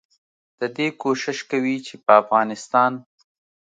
ددې کوشش کوي چې په افغانستان